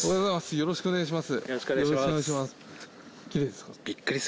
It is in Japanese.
よろしくお願いします